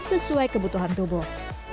sesuai kebutuhan tubuh